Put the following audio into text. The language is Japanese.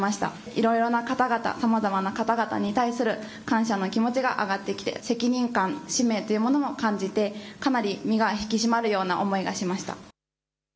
いろいろな方々、さまざまな方々に対する感謝の気持ちが上がってきて責任感、使命というものを感じてかなり身が引き締まるような思いがします。